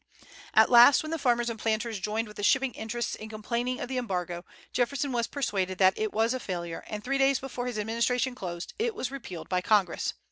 At last, when the farmers and planters joined with the shipping interests in complaining of the Embargo, Jefferson was persuaded that it was a failure, and three days before his administration closed it was repealed by Congress.